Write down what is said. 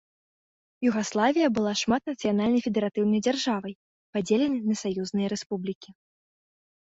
Югаславія была шматнацыянальнай федэратыўнай дзяржавай, падзеленай на саюзныя рэспублікі.